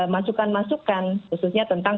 masukan masukan khususnya tentang